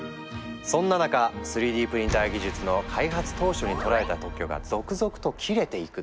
そんな中３Ｄプリンター技術の開発当初に取られた特許が続々と切れていくの！